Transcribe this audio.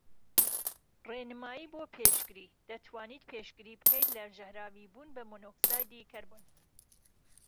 ڕێنمایی بۆ پێشگری:دەتوانیت پێشگری بکەیت لە ژەهراویبوون بە مۆنۆکسایدی کەربۆن